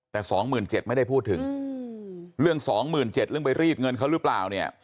แต่๒๗๐๐ไม่ได้พูดถึงเรื่อง๒๗๐๐เรื่องไปรีดเงินเขาหรือเปล่าเนี่ย